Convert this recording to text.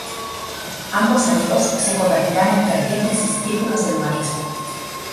Ambos amigos se convertirán en fervientes discípulos del humanismo.